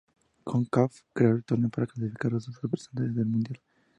Concacaf creó el torneo para clasificar a sus representantes al mundial.